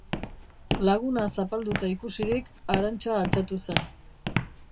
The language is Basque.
Laguna zapalduta ikusirik, Arantxa altxatu zen.